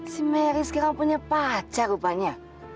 si mary sekarang punya pacar rupanya